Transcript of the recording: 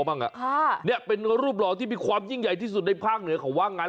หื้อหลายชั้นตึกหลายชั้นเลยนั่น